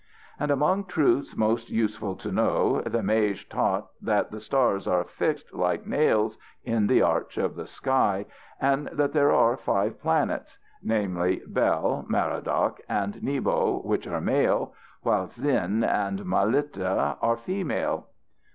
And among truths most useful to know, the mage taught that the stars are fixed like nails in the arch of the sky, and that there are five planets, namely: Bel, Merodach, and Nebo, which are male, while Sin and Mylitta are female.